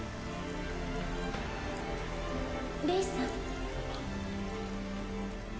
レイさん？